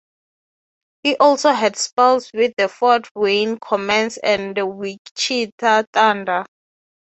He also had spells with the Fort Wayne Komets and the Wichita Thunder.